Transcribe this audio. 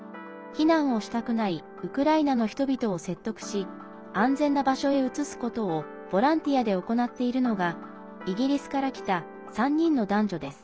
避難をしたくないウクライナの人々を説得し安全な場所へ移すことをボランティアで行っているのがイギリスから来た３人の男女です。